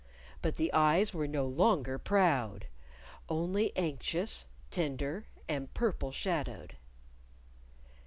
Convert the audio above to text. But the eyes were no longer proud! only anxious, tender and purple shadowed.